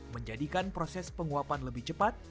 menjadikan proses penguapan lebih cepat